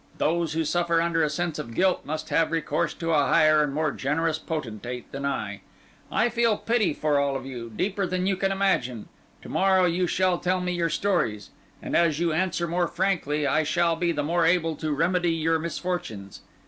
Those who suffer under a sense of guilt must have recourse to a higher and more generous Potentate than I. I feel pity for all of you, deeper than you can imagine; to morrow you shall tell me your stories; and as you answer more frankly, I shall be the more able to remedy your misfortunes.